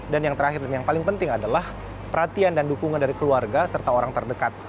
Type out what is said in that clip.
dan yang terakhir dan yang paling penting adalah perhatian dan dukungan dari keluarga serta orang terdekat